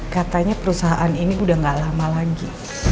katanya perusahaan ini udah gak lama lagi